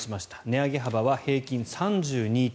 値上げ幅は平均３２．９４％。